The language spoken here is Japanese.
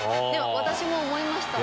私も思いました。